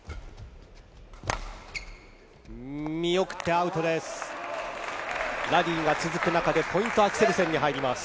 見送ってアウトです。